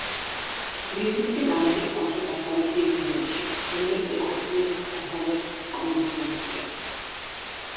გრიზლისი გამოდის სამხრეთ-დასავლეთ დივიზიონში, რომელიც ეკუთვნის დასავლეთ კონფერენციას.